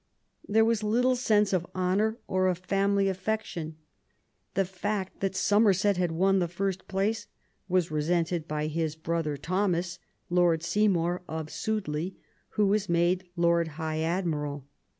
There was little sense of honour, or of family affection. lo QUEEN ELIZABETH, The fact that Somerset had won the first place was resented by his brother Thomas, Lord Seymour of Sudeley, who was made Lord High Admiral.